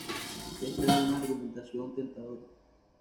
Esta es una argumentación tentadora.